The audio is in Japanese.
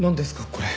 これ。